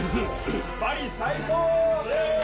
バリ、最高！